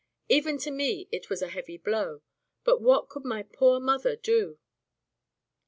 Even to me it was a heavy blow, but what could my poor mother do?